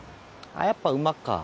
やっぱ馬か。